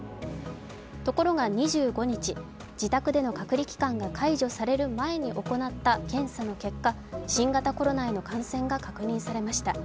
ところが２５日、自宅での隔離期間が解除される前に行った検査の結果新型コロナへの感染が確認されました。